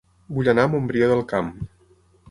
Vull anar a Montbrió del Camp